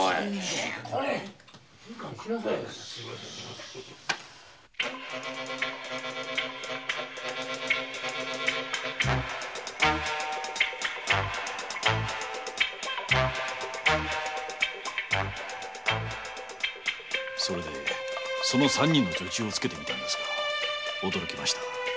金兵衛で三人の女中をつけてみたのですが驚きました。